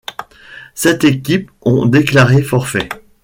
Sept équipes ont déclaré forfait.